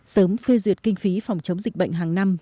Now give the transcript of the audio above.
sớm phê duyệt kinh phí phòng chống dịch bệnh hàng năm